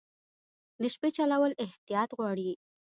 د شپې چلول احتیاط غواړي.